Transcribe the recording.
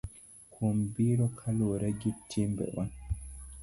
Kum biro kaluwore gi timbewa.